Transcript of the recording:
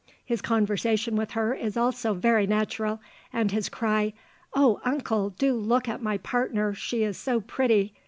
His conversation with her is also very natural, and his cry, "'Oh, uncle, do look at my partner; she is so pretty!